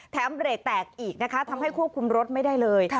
เบรกแตกอีกนะคะทำให้ควบคุมรถไม่ได้เลย